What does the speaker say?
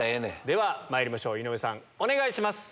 ではまいりましょう井上さんお願いします。